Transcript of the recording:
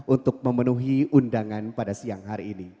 untuk memenuhi undangan pada siang hari ini